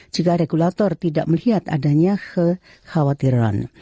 jika regulator tidak melihat adanya kekhawatiran